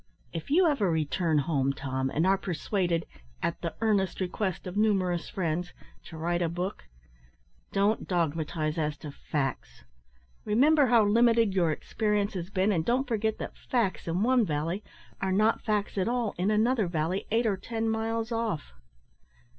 If you ever return home, Tom, and are persuaded, `at the earnest request of numerous friends,' to write a book, don't dogmatise as to facts; remember how limited your experience has been, and don't forget that facts in one valley are not facts at all in another valley eight or ten miles off."